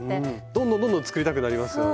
どんどんどんどん作りたくなりますよね。